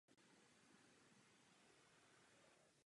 Hlavním záměrem skladatele bylo dát dílu morální vyznění.